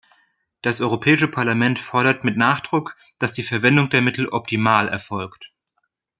Das Europäische Parlament fordert mit Nachdruck, dass die Verwendung der Mittel optimal erfolgt.